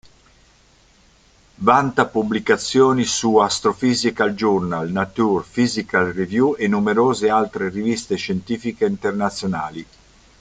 Vanta pubblicazioni su Astrophysical Journal, Nature, Physical Review e numerose altre riviste scientifiche internazionali.